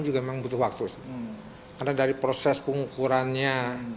juga memang butuh waktu karena dari proses pengukurannya